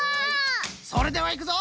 それではいくぞ！